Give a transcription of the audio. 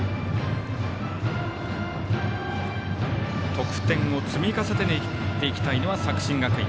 得点を積み重ねていきたいのは作新学院。